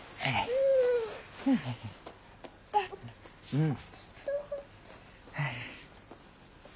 うん。